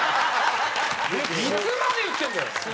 いつまで言ってるんだよ。